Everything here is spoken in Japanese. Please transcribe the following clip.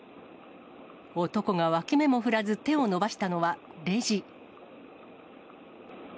男がわき目も振らず手を伸ばしたのはレジ。